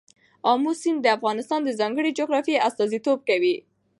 آمو سیند د افغانستان د ځانګړي جغرافیه استازیتوب کوي.